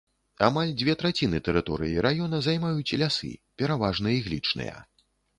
Амаль дзве траціны тэрыторыі раёна займаюць лясы, пераважна іглічныя.